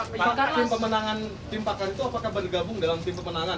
tim pakar itu apakah bergabung dalam tim pemenangan